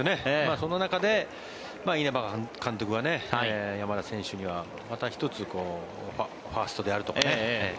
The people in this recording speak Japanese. その中で稲葉監督が山田選手にはまた１つファーストであるとかね。